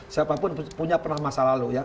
siapapun punya pernah masa lalu ya